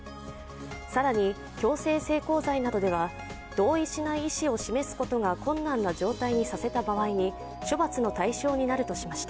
更に、強制性交罪などでは同意しない意思を示すことが困難な状態にさせた場合に処罰の対象になるとしました。